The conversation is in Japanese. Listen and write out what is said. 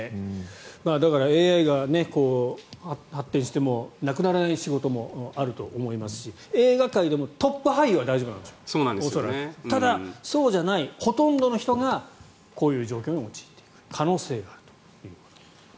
だからＡＩが発展してもなくならない仕事もあると思いますし映画界でもトップ俳優は大丈夫なんでしょうけどただ、そうじゃないほとんどの人がこういう状況に陥っていく可能性があると。